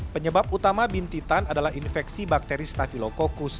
penyebab utama bintitan adalah infeksi bakteri stafilococcus